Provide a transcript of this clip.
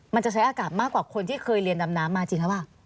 มันจะใช้อากาศมากกว่าคนที่เคยเรียนดำน้ำมาจริงหรือเปล่า